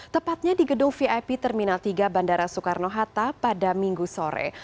tepatnya di gedung vip terminal tiga bandara soekarno hatta pada minggu sore